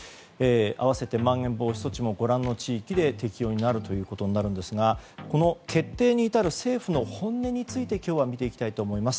併せてまん延防止措置もご覧の地域で適用になるということになるんですがこの決定に至る政府の本音について今日は見ていきたいと思います。